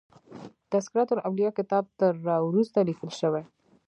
تذکرة الاولیاء کتاب تر را وروسته لیکل شوی.